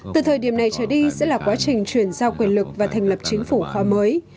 từ thời điểm này trở đi sẽ là quá trình chuyển giao quyền lực và thành lập chính phủ khóa mới